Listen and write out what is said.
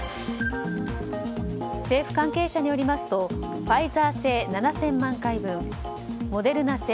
政府関係者によりますとファイザー製７０００万回分モデルナ